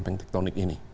sampai tektonik ini